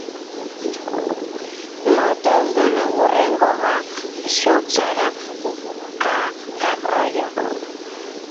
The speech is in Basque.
Motosdun, hurrengoa zu zara, kabroia.